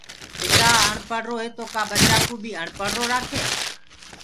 پتآ اڻپڙهرو هي تو ڪآٻچآ ڪو بي آڻپڙهرو رآکسي